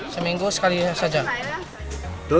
seminggu sekali saja